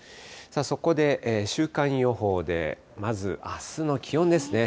そこで週間予報でまず、あすの気温ですね。